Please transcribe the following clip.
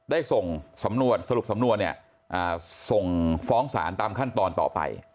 ได้ส่งสำนวนสรุปสำนวนส่งฟ้องศาลตามขั้นตอนต่อไป